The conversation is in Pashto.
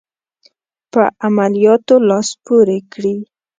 په عملیاتو لاس پوري کړي.